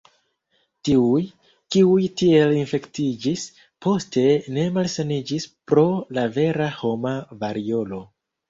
Tiuj, kiuj tiel infektiĝis, poste ne malsaniĝis pro la vera homa variolo.